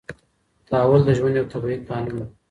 تحول د ژوند یو طبیعي قانون دی.